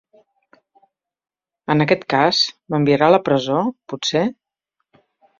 En aquest cas, m"enviarà a la presó, potser?